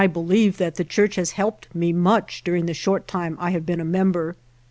211 GERONIMO lieve that the church has helped me much during the short time I have been a member.